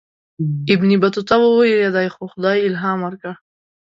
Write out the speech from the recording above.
ابن بطوطه ووېرېدی خو خدای الهام ورکړ.